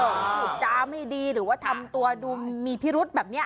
พูดจาไม่ดีหรือว่าทำตัวดูมีพิรุธแบบนี้